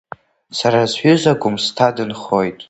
Сара сҩыза Гәымсҭа дынхоит.